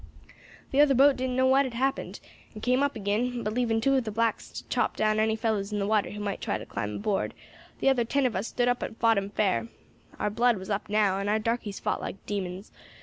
"The other boat didn't know what had happened, and came up agin; but leaving two of the blacks to chop down any of the fellows in the water who might try to climb aboard, the other ten of us stood up and fought 'em fair. Our blood was up now, and our darkies fought like demons.